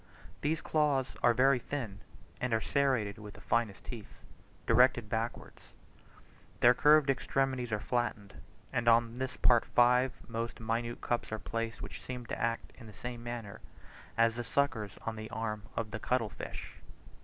These claws are very thin, and are serrated with the finest teeth, directed backwards: their curved extremities are flattened, and on this part five most minute cups are placed which seem to act in the same manner as the suckers on the arms of the cuttle fish.